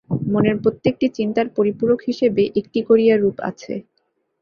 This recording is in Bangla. মনের প্রত্যেকটি চিন্তার পরিপূরক হিসাবে একটি করিয়া রূপ আছে।